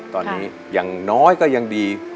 ตอนนี้อย่างน้อยก็ยังดี